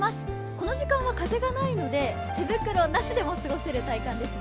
この時間は風がないので、手袋なしでも過ごせる体感ですね。